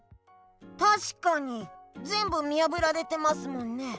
たしかにぜんぶ見やぶられてますもんね。